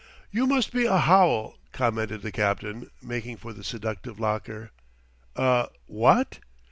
"You must be a howl," commented the captain, making for the seductive locker. "A what?"